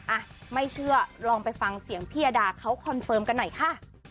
อ่ะไม่เชื่อลองไปฟังเสียงพี่ยดาเขาคอนเฟิร์มกันหน่อยค่ะ